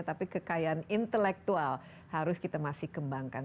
tapi kekayaan intelektual harus kita masih kembangkan